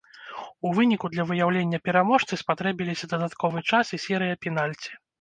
У выніку для выяўлення пераможцы спатрэбіліся дадатковы час і серыя пенальці.